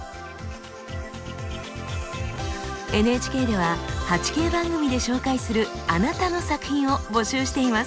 ＮＨＫでは８Ｋ番組で紹介するあなたの作品を募集しています。